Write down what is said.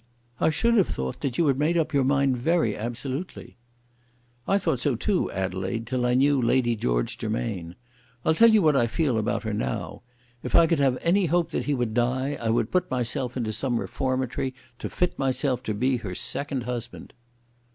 "I should have thought you had made up your mind very absolutely." "I thought so, too, Adelaide, till I knew Lady George Germain. I'll tell you what I feel about her now. If I could have any hope that he would die I would put myself into some reformatory to fit myself to be her second husband."